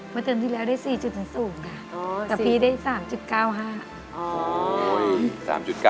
เมื่อเติมที่แล้วได้๔จุดสูงค่ะ